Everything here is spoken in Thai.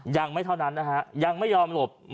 ยังไม่เท่านั้นนะฮะยังไม่ยอมหลบ